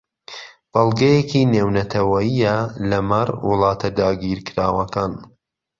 بەڵگەیەکی نێونەتەوەیییە لەمەڕ وڵاتە داگیرکراوەکان